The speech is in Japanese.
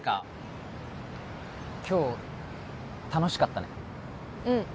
今日楽しかったねうん